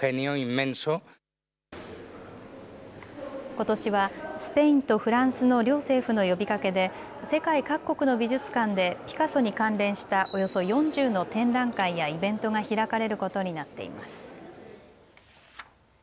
ことしはスペインとフランスの両政府の呼びかけで世界各国の美術館でピカソに関連したおよそ４０の展覧会やイベントが開かれることになっています。